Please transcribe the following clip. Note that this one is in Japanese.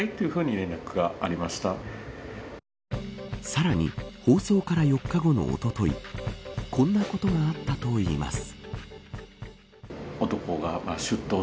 さらに、放送から４日後のおとといこんなことがあったといいます。